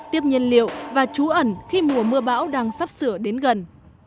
tiếp nhiên liệu và trú ẩn khi mùa mưa bão đang sắp sửa đến gần